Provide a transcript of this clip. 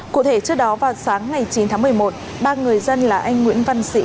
cụ thể trước đó vào sáng ngày chín tháng một mươi một ba người dân là anh nguyễn văn sĩ